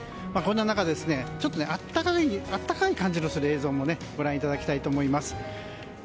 こんな中暖かい感じのする映像もご覧いただきたいと思います。